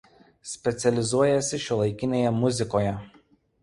Specializuojasi šiuolaikinėje muzikoje.